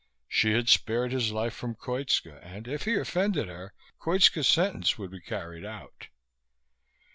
She had spared his life from Koitska, and if he offended her, Koitska's sentence would be carried out.